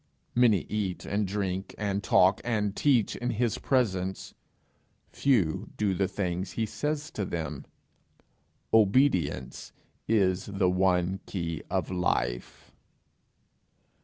Many eat and drink and talk and teach in his presence; few do the things he says to them! Obedience is the one key of life.